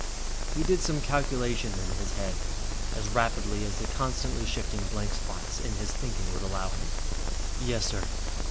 He did some calculation in his head, as rapidly as the constantly shifting blank spots in his thinking would allow him. "Yes, sir."